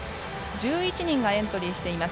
１１人がエントリーしています。